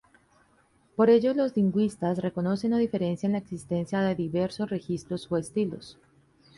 Por ello los lingüistas reconocen o diferencian la existencia de diversos registros o estilos.